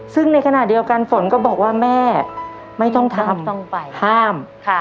ซึ่งในขณะเดียวกันฝนก็บอกว่าแม่ไม่ต้องทำต้องไปห้ามค่ะ